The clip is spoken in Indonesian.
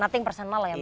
nothing personal ya mbak